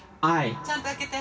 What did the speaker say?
ちゃんと開けて。